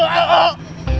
auk auk auk